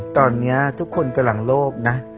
ตอนนี้ทุกคนกำลังโลภนะ